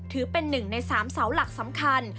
ถือเป็นหนึ่งใน๓เสาหลักสำคัญ